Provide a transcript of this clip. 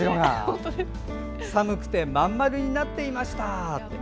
寒くて、まん丸になってました。